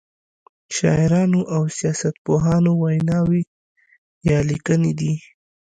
شاعرانو او سیاست پوهانو ویناوی یا لیکنې دي.